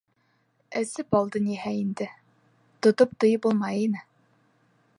Эсеп алды ниһә инде, тотоп тыйып булмай ине.